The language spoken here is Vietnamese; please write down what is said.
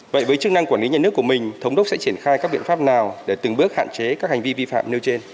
vậy với chức năng quản lý nhà nước của mình thống đốc sẽ triển khai các biện pháp nào để từng bước hạn chế các hành vi vi phạm nêu trên